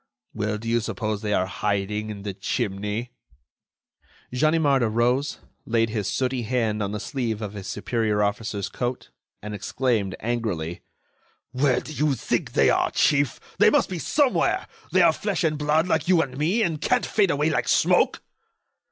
"Well, do you suppose they are hiding in the chimney?" Ganimard arose, laid his sooty hand on the sleeve of his superior officer's coat, and exclaimed, angrily: "Where do you think they are, chief? They must be somewhere! They are flesh and blood like you and me, and can't fade away like smoke."